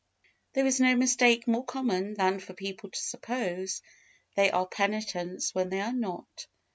There is no mistake more common than for people to suppose they are penitents when they are not.